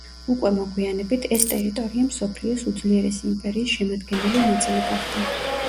უკვე მოგვიანებით ეს ტერიტორია მსოფლიოს უძლიერესი იმპერიის შემადგენელი ნაწილი გახდა.